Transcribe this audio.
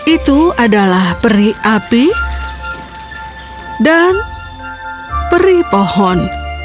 itu adalah perih api dan perih pohon